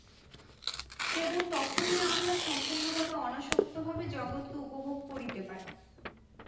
কেবল তখনই আমরা সম্পূর্ণ অনাসক্তভাবে জগৎকে উপভোগ করিতে পারি।